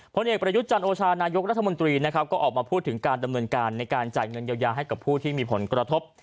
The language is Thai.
ผลเอกประยุทธ์จันโอชานายกรัฐมนตรีนะครับก็ออกมาพูดถึงการดำเนินการในการจ่ายเงินเยียวยาให้กับผู้ที่มีผลกระทบ